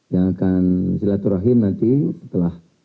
yang akan silaturahim nanti setelah